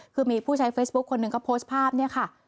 คือมีผู้ใช้เฟซบุ๊คคนหนึ่งเขาโพสต์ภาพเนี่ยค่ะ